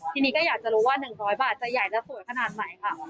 ทีนี้ก็อยากจะรู้ว่า๑๐๐บาทจะใหญ่จะสวยขนาดไหนค่ะ